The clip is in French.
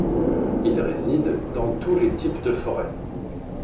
Il réside dans tous les types de forêt.